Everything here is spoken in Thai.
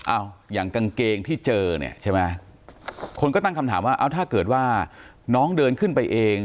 อย่างกางเกงที่เจอเนี่ยใช่ไหมคนก็ตั้งคำถามว่าเอาถ้าเกิดว่าน้องเดินขึ้นไปเอง